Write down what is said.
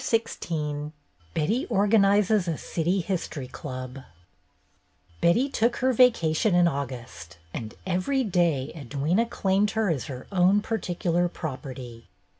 XVI BETTY ORGANIZES A CITY HISTORY CLUB B etty took her vacation in August, and every day Edwyna claimed her as her own particular property.